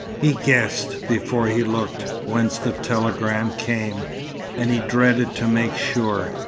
He guessed, before he looked, whence the telegram came; and he dreaded to make sure.